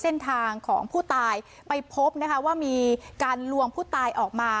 เส้นทางของผู้ตายไปพบนะคะว่ามีการลวงผู้ตายออกมา